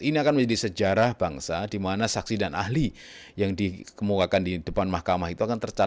ini akan menjadi sejarah bangsa di mana saksi dan ahli yang dikemukakan di depan mahkamah itu akan tercatat